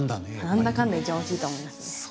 何だかんだ一番大きいと思いますね。